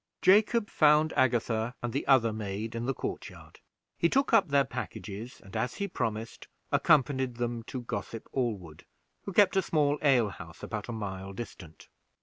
Jacob found Agatha and the other maid in the court yard; he took up their packages, and, as he promised, accompanied them to Gossip Allwood, who kept a small ale house about a mile distant.